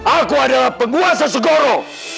aku adalah penguasa segoro